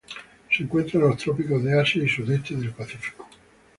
Se encuentra en los trópico se Asia y sudoeste del Pacífico.